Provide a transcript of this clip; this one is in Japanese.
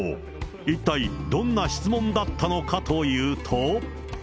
一体、どんな質問だったのかというと。